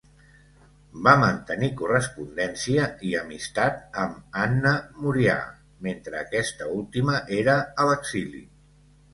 Va mantenir correspondència i amistat amb Anna Murià, mentre aquesta última era a l’exili.